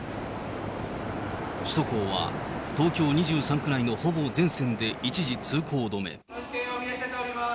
首都高は東京２３区内のほぼ全線で一時通行止め。